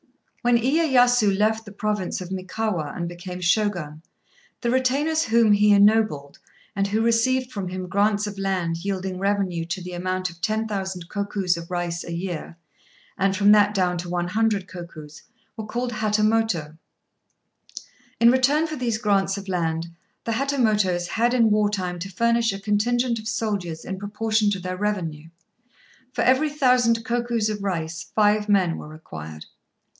When Iyéyasu left the Province of Mikawa and became Shogun, the retainers whom he ennobled, and who received from him grants of land yielding revenue to the amount of ten thousand kokus of rice a year, and from that down to one hundred kokus, were called Hatamoto. In return for these grants of land, the Hatamotos had in war time to furnish a contingent of soldiers in proportion to their revenue. For every thousand kokus of rice five men were required.